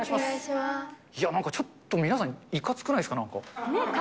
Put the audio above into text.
いやなんかちょっと、皆さん、いかつくないですか？